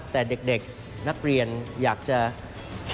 แต่เด็กนักเรียนอยากจะคิดอย่างไร